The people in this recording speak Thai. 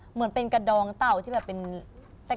เหมือนเป็นกระดองเต่าที่แบบเป็นแตก